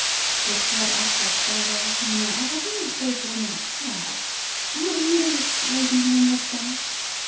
"It's what I call twaddle, you know. I hope you ain't afraid of going in a cab." "Not in the least, Lady Linlithgow."